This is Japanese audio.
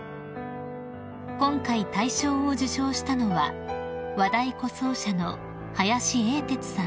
［今回大賞を受賞したのは和太鼓奏者の林英哲さん］